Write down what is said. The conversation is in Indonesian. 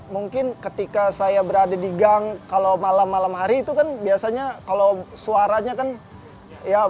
mungkin ketika saya berada di gang kalau malam malam hari itu kan biasanya kalau suaranya kan ya